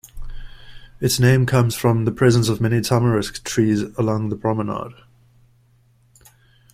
Its name comes from the presence of many tamarisk trees along the promenade.